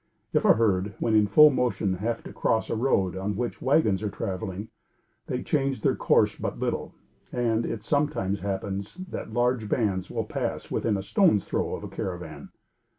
If a herd, when in full motion, have to cross a road on which wagons are traveling, they change their course but little; and, it sometimes happens, that large bands will pass within a stone's throw of a caravan.